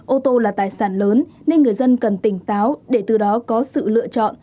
ô tô là tài sản lớn nên người dân cần tỉnh táo để từ đó có sự lựa chọn